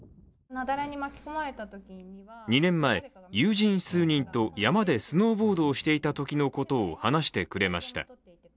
２年前、友人数人と山でスノーボードをしていたときのことを話してくれました。